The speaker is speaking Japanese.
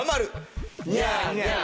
ニャーニャー。